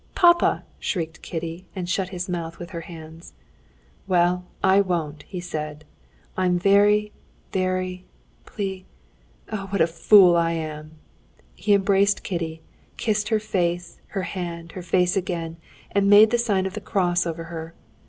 "Papa!" shrieked Kitty, and shut his mouth with her hands. "Well, I won't!" he said. "I'm very, very ... plea... Oh, what a fool I am...." He embraced Kitty, kissed her face, her hand, her face again, and made the sign of the cross over her.